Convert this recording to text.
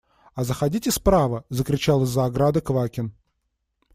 А заходите справа! – закричал из-за ограды Квакин.